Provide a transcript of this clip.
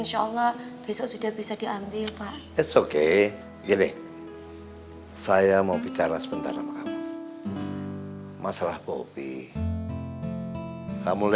besok sudah bisa diambil pak it's okay gini saya mau bicara sebentar masalah popi kamu